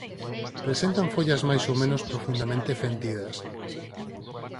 Presentan follas máis ou menos profundamente fendidas.